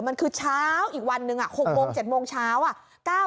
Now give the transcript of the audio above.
มันคือเช้าอีกวันหนึ่ง๖โมง๗โมงเช้าอ่ะ